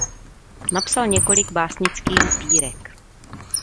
Napsal několik básnických sbírek.